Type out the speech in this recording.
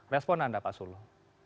respon anda pak sulu